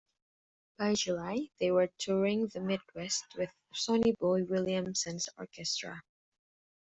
By July, they were touring the Midwest with Sonny Boy Williamson's orchestra.